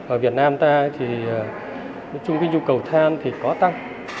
ở việt nam ta thì nói chung cái nhu cầu than thì có tăng